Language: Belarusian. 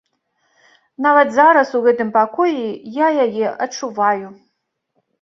Нават зараз, у гэтым пакоі, я яе адчуваю.